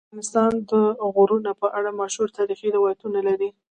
افغانستان د غرونه په اړه مشهور تاریخی روایتونه لري.